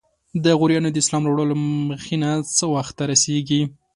د غوریانو د اسلام راوړلو مخینه څه وخت ته رسیږي؟